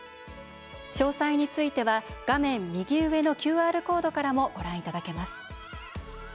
詳細については画面右上のＱＲコードからもご覧いただけます。